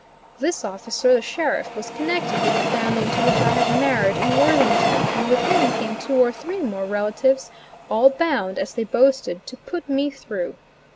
This officer, the sheriff, was connected with the family into which I had married in Worthington, and with him came two or three more relatives, all bound, as they boasted, to "put me through."